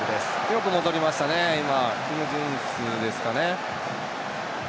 よく戻りましたねね、今。